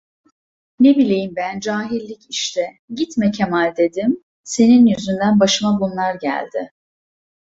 Ne bileyim ben, cahillik işte: "Gitme Kemal" dedim, "senin yüzünden başıma bunlar geldi."